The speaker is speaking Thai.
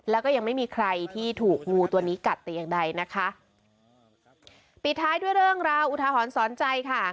แล้วก็ยังไม่มีใครที่ถูกงูตัวนี้กัดแต่อย่างใดนะคะปิดท้ายด้วยเรื่องราวอุทหรณ์สอนใจค่ะ